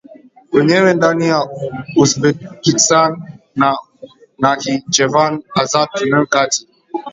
wenyewe ndani ya Uzbekistan na Nakhichevan Azabajani kati